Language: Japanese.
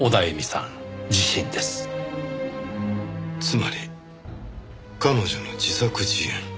つまり彼女の自作自演。